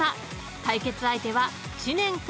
［対決相手は知念か？